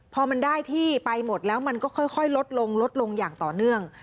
พอมันได้ที่ไปหมดแล้วมันก็ค่อยลดลงลดลงอย่างต่อเนื่อง